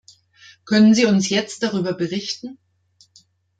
Können Sie uns jetzt darüber berichten?